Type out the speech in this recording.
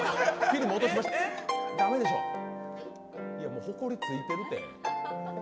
もうほこりついてるって。